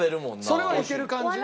それはいける感じ？